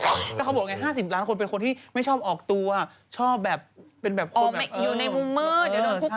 แล้วเขาบอกไง๕๐ล้านคนเป็นคนที่ไม่ชอบออกตัวชอบแบบเป็นแบบอยู่ในมุมมืด